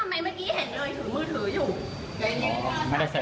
ไม่ใช่เลยนะ